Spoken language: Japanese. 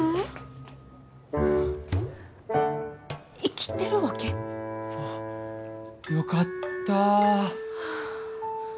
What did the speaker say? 生きてるわけ？あっよかった。